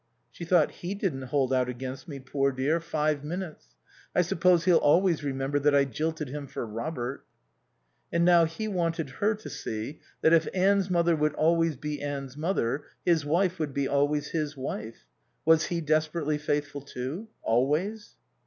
She thought: "He didn't hold out against me, poor dear, five minutes. I suppose he'll always remember that I jilted him for Robert." And now he wanted her to see that if Anne's mother would be always Anne's mother, his wife would be always his wife. Was he desperately faithful, too? Always?